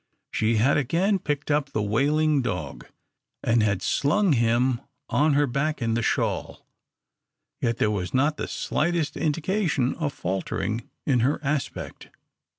She had again picked up the wailing dog, and had slung him on her back in the shawl, yet there was not the slightest indication of faltering in her aspect.